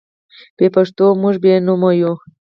بې پښتوه موږ بې نومه یو.